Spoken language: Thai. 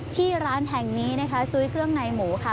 ที่ร้านแห่งนี้นะคะซุ้ยเครื่องในหมูค่ะ